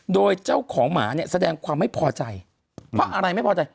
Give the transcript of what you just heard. โดยเจ้าของหมาเนี่ยแสดงความไม่พอใจเพราะอะไรไม่พอใจ